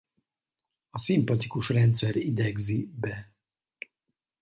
A szimpatikus rendszer idegzi be.